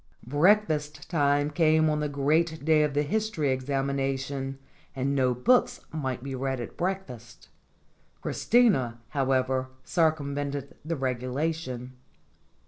Breakfast time came on the great day of the history examination, and no books might be read at breakfast. Christina, however, circumvented the regulation.